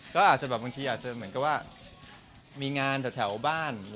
ก็อาจจะบางทีเหมือนกับว่ามีงานแต่แถวบ้าน